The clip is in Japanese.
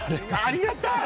ありがたい